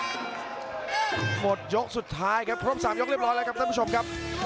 หมดยกสุดท้ายครับครบ๓ยกเรียบร้อยแล้วครับท่านผู้ชมครับ